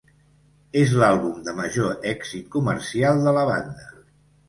Es l'àlbum de major èxit comercial de la banda.